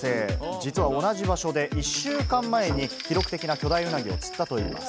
実は同じ場所で１週間前に記録的な巨大ウナギを釣ったといいます。